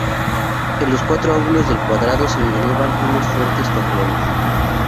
En los cuatro ángulos del cuadrado se elevan unos fuertes torreones.